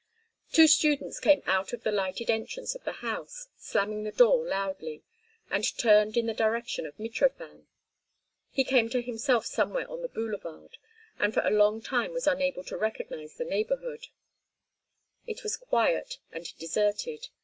Two students came out of the lighted entrance of the house, slamming the door loudly, and turned in the direction of Mitrofan. He came to himself somewhere on the boulevard and for a long time was unable to recognise the neighbourhood. It was quiet and deserted.